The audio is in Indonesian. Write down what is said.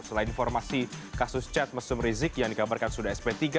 selain informasi kasus chat mesum rizik yang dikabarkan sudah sp tiga